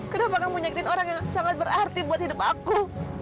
kenapa kamu nyakin orang yang sangat berarti buat hidup aku